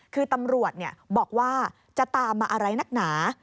คือตำรวจบอกว่าจะตามมาอะไรนักหนา